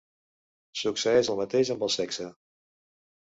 Succeeix el mateix amb el sexe.